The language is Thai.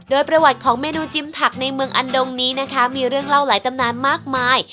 โดยประวัติของเมนูจิมถักในเมืองอันดงนี้นะคะมีเรื่องเล่าหลายตำนานมากมาย